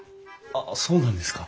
ああそうなんですか。